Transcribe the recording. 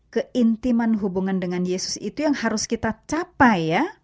keintiman hubungan dengan yesus itu yang harus kita capai ya